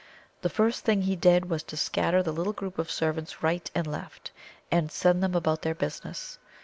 The first thing he did was to scatter the little group of servants right and left, and send them about their business.